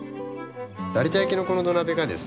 有田焼のこの土鍋がですね